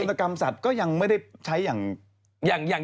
ตกรรมสัตว์ก็ยังไม่ได้ใช้อย่าง